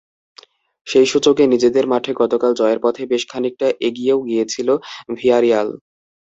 সেই সুযোগে নিজেদের মাঠে গতকাল জয়ের পথে বেশ খানিকটা এগিয়েও গিয়েছিল ভিয়ারিয়াল।